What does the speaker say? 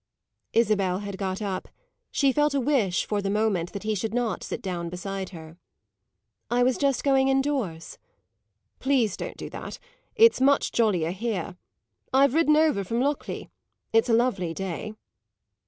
Isabel had got up; she felt a wish, for the moment, that he should not sit down beside her. "I was just going indoors." "Please don't do that; it's much jollier here; I've ridden over from Lockleigh; it's a lovely day."